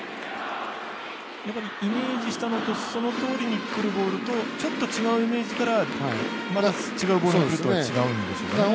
イメージしたのとそのとおりにくるボールとちょっと違うイメージからまた違うボールがくると違うんでしょうかね。